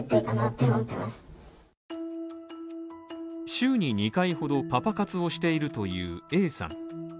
週に２回ほどパパ活をしているというＡさん。